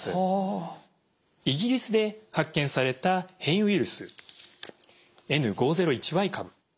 イギリスで発見された変異ウイルスＮ５０１Ｙ株。